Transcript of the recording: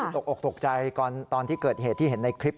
ตกอกตกใจตอนที่เกิดเหตุที่เห็นในคลิป